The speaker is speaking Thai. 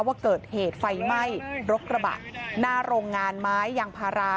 ว่าเกิดเหตุไฟไหม้รถกระบะหน้าโรงงานไม้ยางพารา